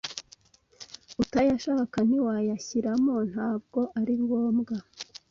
utayashaka ntiwayashyiramo ntabwo ari ngombwa